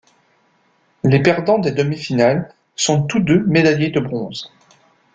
Les perdants des demi-finales sont tous deux médaillés de bronze.